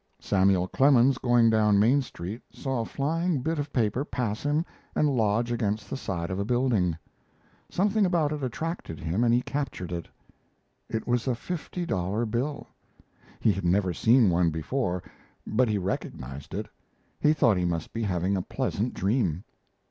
Samuel Clemens, going down Main Street, saw a flying bit of paper pass him and lodge against the side of a building. Something about it attracted him and he captured it. It was a fifty dollar bill. He had never seen one before, but he recognized it. He thought he must be having a pleasant dream.